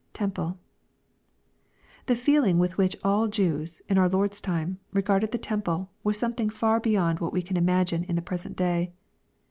temple^ The feeling with which all Jews, in our Lord's time, regarded the temple, was something far beyond what we can imagine in the present day.